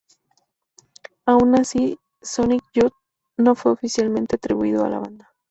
Aun así, "Sonic Youth" no fue oficialmente atribuido a la banda.